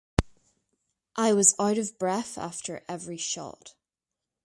I was out of breath after every shot.